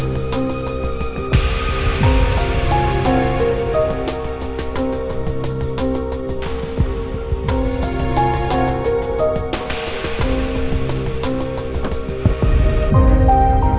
nikah itu sakral lo